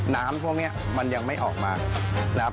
น้ำพวกนี้มันยังไม่ออกมา